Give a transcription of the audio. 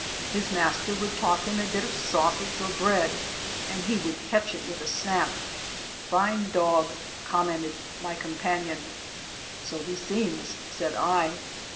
His master would toss him a bit of sausage or bread and he would catch it with a snap. "Fine dog!" commented my companion. "So he seems," said I.